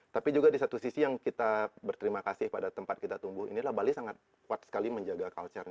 tapi juga di satu sisi yang kita berterima kasih pada tempat kita tumbuh ini adalah bali sangat kuat sekali menjaga culture nya